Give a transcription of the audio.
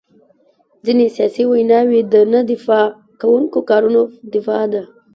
ځینې سیاسي ویناوي د نه دفاع کېدونکو کارونو دفاع ده.